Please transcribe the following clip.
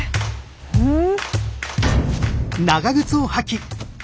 うん？